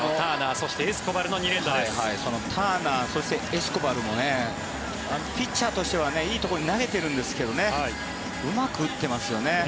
そのターナーそしてエスコバルもピッチャーとしてはいいところに投げてるんですけどねうまく打ってますよね。